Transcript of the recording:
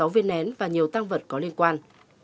sáu viên nén và nhiều tăng vật có liên quan